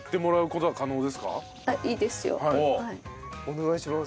お願いします。